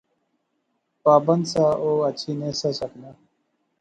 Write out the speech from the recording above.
پابند سا، او اچھی نہسا سکنا